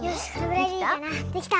できた！